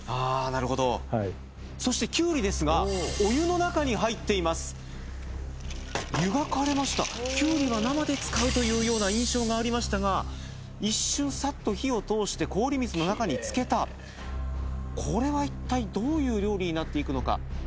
なるほどはいそしてきゅうりですがお湯の中に入っています湯がかれましたきゅうりは生で使うというような印象がありましたが一瞬サッと火を通して氷水の中につけたこれはいったいどういう料理になっていくのか？